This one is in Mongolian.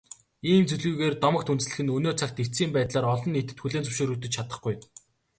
Ийм зүйлгүйгээр домогт үндэслэх нь өнөө цагт эцсийн байдлаар олон нийтэд хүлээн зөвшөөрөгдөж чадахгүй.